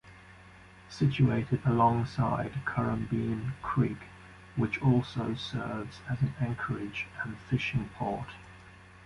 Situated alongside Currambene Creek which also serves as an anchorage and fishing port.